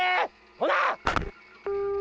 ほな！